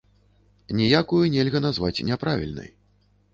Ніякую нельга назваць няправільнай.